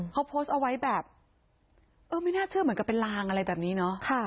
เขาโพสต์เอาไว้แบบเออไม่น่าเชื่อเหมือนกับเป็นลางอะไรแบบนี้เนาะ